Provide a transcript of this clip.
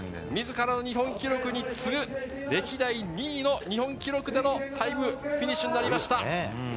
自らの日本記録に次ぐ歴代２位の日本記録でのタイムフィニッシュになりました。